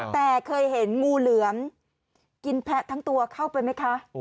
แต่เคยเห็นงูเหลือมกินแพะทั้งตัวเข้าไปไหมคะ